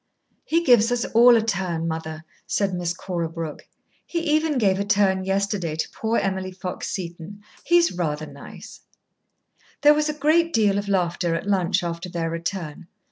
"He gives us all a turn, mother," said Miss Cora Brooke. "He even gave a turn yesterday to poor Emily Fox Seton. He's rather nice." There was a great deal of laughter at lunch after their return.